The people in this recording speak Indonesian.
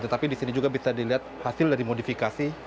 tetapi di sini juga bisa dilihat hasil dari modifikasi